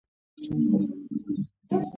თყეში ცხოვრობდა ერთი ია